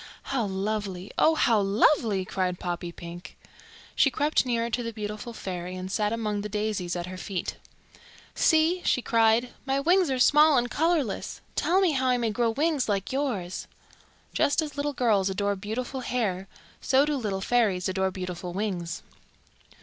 "How lovely! Oh, how lovely!" cried Poppypink. She crept nearer to the beautiful fairy and sat among the daisies at her feet. "See," she cried. "My wings are small and colourless. Tell me how I may grow wings like yours." Just as little girls adore beautiful hair, so do little fairies adore beautiful wings.